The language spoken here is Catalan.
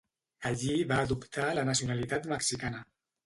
Allí va adoptar la nacionalitat mexicana.